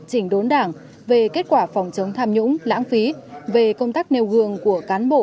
chỉnh đốn đảng về kết quả phòng chống tham nhũng lãng phí về công tác nêu gương của cán bộ